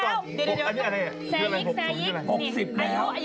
ตัวเล่น๖๙